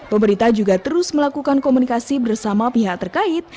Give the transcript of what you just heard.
pemerintah juga terus melakukan komunikasi bersama pihak terkait